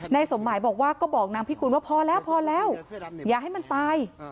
สมหมายบอกว่าก็บอกนางพิกุลว่าพอแล้วพอแล้วอย่าให้มันตาย